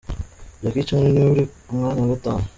Jackie Chan ni we uri ku mwanya wa gatanu.